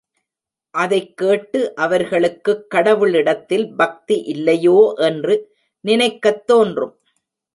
அதைக் கேட்டு, அவர்களுக்குக் கடவுளிடத்தில் பக்தி இல்லையோ என்று நினைக்கத் தோன்றும்.